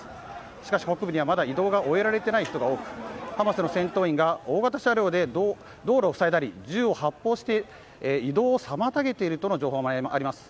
しかし、北部にはまだ移動が終えられていない人が多くハマスの戦闘員が大型車両で道路を塞いだり銃を発砲して移動を妨げているとの情報もあります。